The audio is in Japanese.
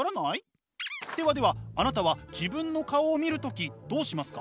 ではではあなたは自分の顔を見る時どうしますか？